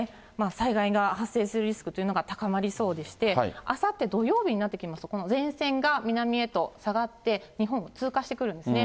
災害が発生するリスクというのが、高まりそうでして、あさって土曜日になってきますと、この前線が南へと下がって、日本通過してくるんですね。